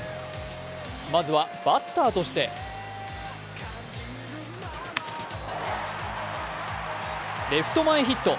まずはバッターとしてレフト前ヒット。